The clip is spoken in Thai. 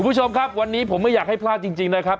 คุณผู้ชมครับวันนี้ผมไม่อยากให้พลาดจริงนะครับ